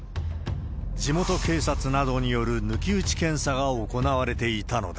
地元警察などによる抜き打ち検査が行われていたのだ。